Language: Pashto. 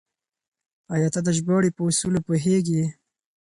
آيا ته د ژباړې په اصولو پوهېږې؟